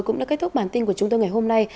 cũng đã kết thúc bản tin của chúng tôi ngày hôm nay